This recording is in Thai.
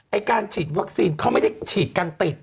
การฉีดวัคซีนเขาไม่ได้ฉีดกันติด